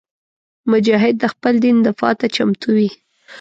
مجاهد د خپل دین دفاع ته چمتو وي.